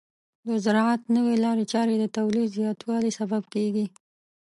د زراعت نوې لارې چارې د تولید زیاتوالي سبب کیږي.